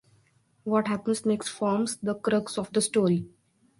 What happens next forms the crux of the story.